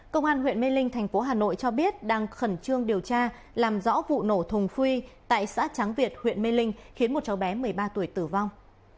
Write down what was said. công an huyện mê linh thành phố hà nội cho biết đang khẩn trương điều tra làm rõ vụ nổ thùng phi tại xã tráng việt huyện mê linh khiến một cháu bé một mươi ba tuổi tử vong